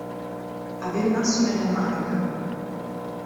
Avere un asso nella manica.